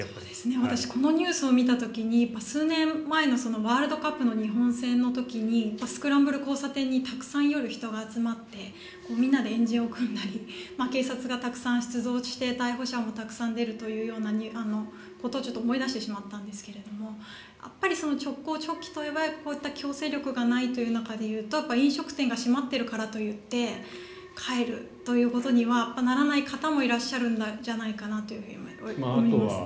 私このニュースを見た時に数年前のワールドカップの日本戦の時にスクランブル交差点にたくさん夜、人が集まってみんなで円陣を組んだり警察がたくさん出動して逮捕者もたくさん出るというニュースをちょっと思い出してしまったんですが直行直帰といってもこういった強制力がないという中でいうと飲食店が閉まっているからといって帰るということにはならない方もいらっしゃるんじゃないかなと思いますね。